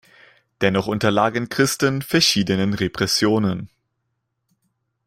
Dennoch unterlagen Christen verschiedenen Repressionen.